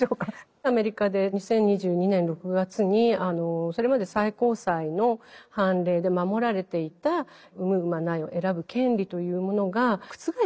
アメリカで２０２２年６月にそれまで最高裁の判例で守られていた産む産まないを選ぶ権利というものが覆っちゃったんですね。